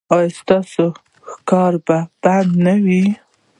ایا ستاسو ښکار به بند نه وي؟